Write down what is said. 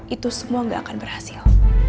itu semua gak akan berhasil